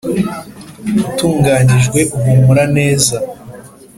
utunganyijwe uhumura neza i